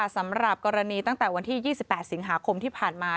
สำหรับกรณีตั้งแต่วันที่๒๘สิงหาคมที่ผ่านมา